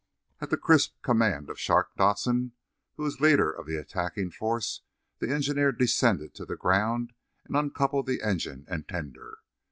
At the crisp command of Shark Dodson, who was leader of the attacking force the engineer descended to the ground and uncoupled the engine and tender.